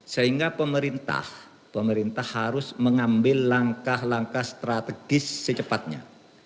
sehingga pemerintah pemerintah harus mengambil langkah langkah strategis secepatnya